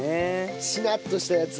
しなっとしたやつ。